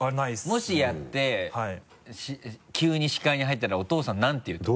もしやって急に視界に入ったらお父さん何て言うと思う？